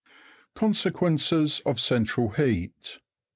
' 1. CONSEQUENCES OF CENTRAL HEAT.